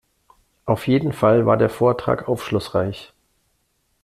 Auf jeden Fall war der Vortrag aufschlussreich.